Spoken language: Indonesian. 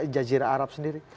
jajira arab sendiri